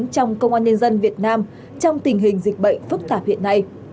trong công an nhân dân việt nam trong tình hình dịch bệnh phức tạp hiện nay